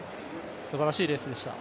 すばらしいレースでした。